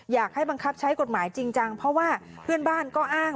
อยากให้บังคับใช้กฎหมายจริงจังเพราะว่าเพื่อนบ้านก็อ้าง